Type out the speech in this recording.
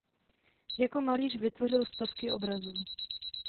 Jako malíř vytvořil stovky obrazů.